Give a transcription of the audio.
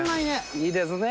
いいですね。